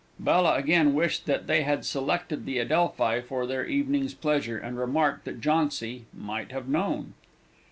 Bella again wished that they had selected the Adelphi for their evening's pleasure, and remarked that Jauncy "might have known."